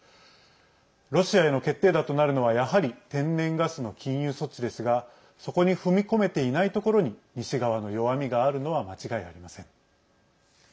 ロシアへの決定打となるのはやはり天然ガスの禁輸措置ですがそこに踏み込めていないところに西側の弱みがあるのは間違いありません。